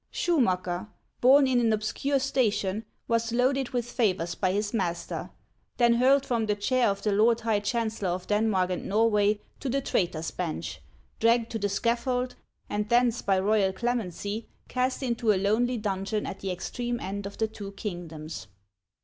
Schumacker, born in an obscure station, was loaded with favors by his master, then hurled from the chair of the Lord High Chancellor of Denmark and Norway to the traitor's bench, dragged to the scaffold, and thence by royal clemency cast into a lonely dungeon at the extreme end of the two kingdoms.